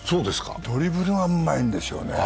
ドリブルがうまいんですよね。